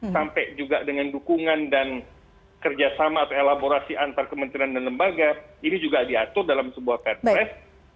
sampai juga dengan dukungan dan kerjasama atau elaborasi antar kementerian dan lembaga ini juga diatur dalam sebuah perpres